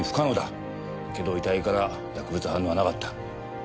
けど遺体から薬物反応はなかった。